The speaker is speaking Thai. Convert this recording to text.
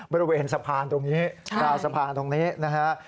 บริเวณสะพานตรงนี้ราวสะพานตรงนี้นะฮะ